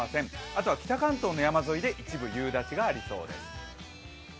あとは北関東の山沿いで、一部夕立がありそうです。